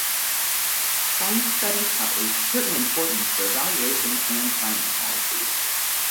Science studies have a certain importance for evaluation and science policy.